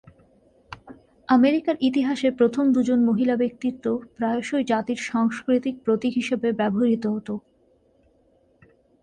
আমেরিকার ইতিহাসে প্রথম দুজন মহিলা ব্যক্তিত্ব প্রায়শই জাতির সাংস্কৃতিক প্রতীক হিসাবে ব্যবহৃত হত।